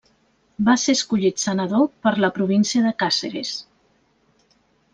Va ser escollit senador per la província de Càceres.